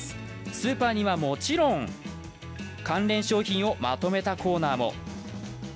スーパーには、もちろん関連商品をまとめたコーナーも。